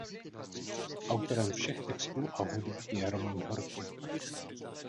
Autorem všech textů a hudby je Roman Horký.